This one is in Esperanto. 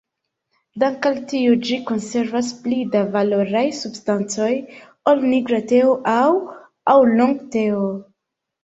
Dank' al tio ĝi konservas pli da valoraj substancoj ol nigra teo aŭ ŭulong-teo.